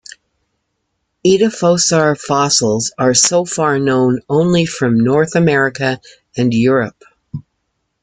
Edaphosaur fossils are so far known only from North America and Europe.